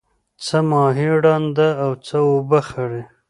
څه ماهی ړانده او څه اوبه خړی.